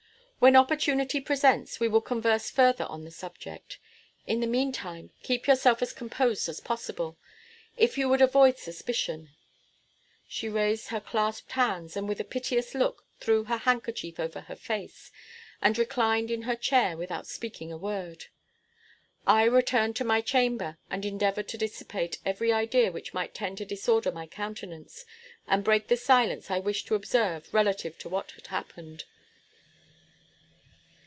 When opportunity presents, we will converse further on the subject. In the mean time keep yourself as composed as possible, if you would avoid suspicion." She raised her clasped hands, and with a piteous look, threw her handkerchief over her face, and reclined in her chair, without speaking a word. I returned to my chamber, and endeavored to dissipate every idea which might tend to disorder my countenance, and break the silence I wished to observe relative to what had happened.